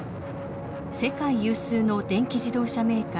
世界有数の電気自動車メーカーＢＹＤ。